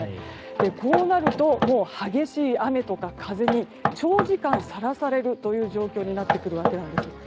こうなるともう激しい雨とか風に長時間さらされるという状況になってくるわけなんです。